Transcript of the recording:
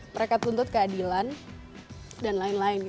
mereka tuntut keadilan dan lain lain